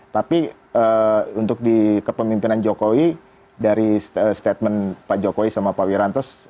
tapi untuk di kepemimpinan jokowi dari statement pak jokowi sama pak wiranto